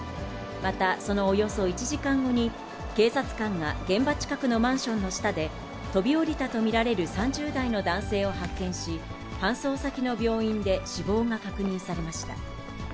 また、そのおよそ１時間後に、警察官が現場近くのマンションの下で、飛び降りたと見られる３０代の男性を発見し、搬送先の病院で死亡が確認されました。